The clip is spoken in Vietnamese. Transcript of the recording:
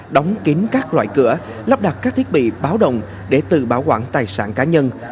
đóng kín các loại cửa lắp đặt các thiết bị báo đồng để tự bảo quản tài sản cá nhân